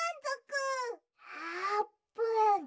「あーぷん！」。